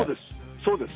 そうです。